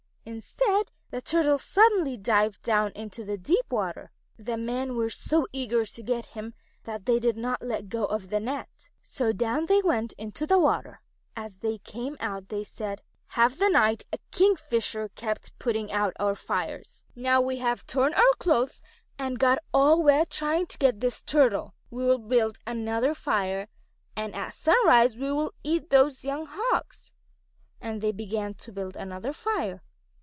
Instead, the Turtle suddenly dived down into the deep water. The men were so eager to get him that they did not let go of the net, so down they went into the water. As they came out they said: "Half the night a Kingfisher kept putting out our fires. Now we have torn our clothes and got all wet trying to get this Turtle. We will build another fire, and at sunrise we will eat those young Hawks." And they began to build another fire.